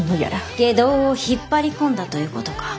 外道を引っ張り込んだということか。